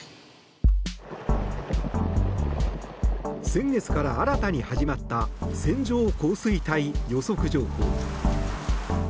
先月から新たに始まった線状降水帯予測情報。